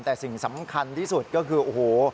แต่สิ่งสำคัญที่สุดก็คือโอ้โห